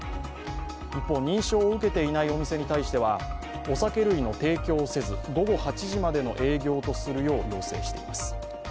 一方、認証を受けていないお店に対してはお酒類の提供をせず、午後８時までの営業とするよう要請しています。